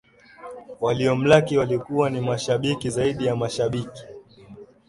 Waliomlaki walikuwa ni mashabiki zaidi ya mashabiki